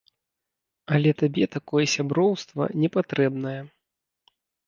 Але табе такое сяброўства непатрэбнае.